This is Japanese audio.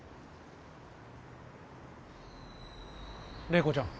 麗子ちゃん。